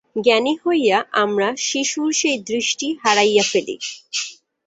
জ্ঞানী হইয়া আমরা শিশুর সেই দৃষ্টি হারাইয়া ফেলি।